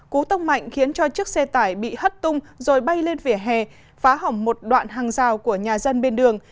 cú tông mạnh khiến cho chiếc xe tải bị hất tung rồi bay lên vỉa hè phá hỏng một đoạn hàng rào của nhà dân bên đường